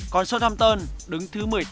còn southampton đứng thứ một mươi tám